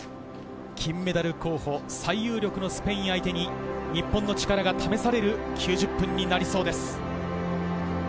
金メダル候補最有力のスペイン相手に日本の力が試される９０分になりそうです。